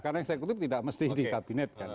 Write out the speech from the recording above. karena eksekutif tidak mesti di kabinet kan